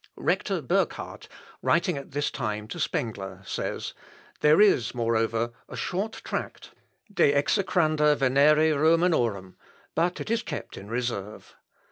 Rector Burkhard, writing at this time to Spengler, says, "There is, moreover, a short tract, De Execranda Venere Romanorum, but it is kept in reserve."